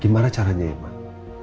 gimana caranya ya emang